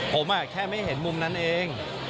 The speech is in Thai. ผมแค่ไม่เห็นมุมนั้นเอง